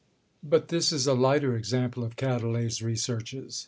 But this is a lighter example of Quetelet's researches.